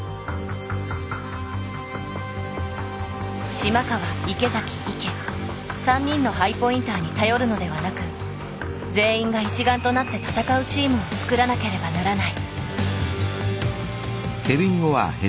島川池崎池３人のハイポインターに頼るのではなく全員が一丸となって戦うチームを作らなければならない。